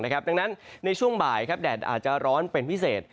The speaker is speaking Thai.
ดังนั้นในช่วงบ่ายแดดอาจจะร้อนเป็นพิเศษ